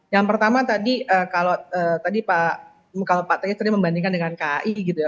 yang pertama tadi kalau pak tias sering membandingkan dengan kai gitu ya